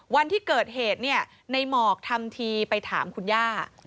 วันที่เกิดเหตุในหมอกทำทีไปถามคุณย่า